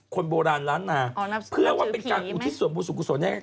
คนโบราณรันดินาเพื่อว่าเป็นการอุทิศส่วนบุสุกุศลเนี่ย